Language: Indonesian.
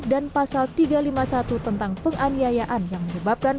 dan pasal tiga ratus lima puluh satu tentang penganiayaan yang menyebabkan